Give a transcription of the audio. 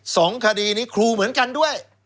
สองคดีนี้ครูเหมือนกันด้วย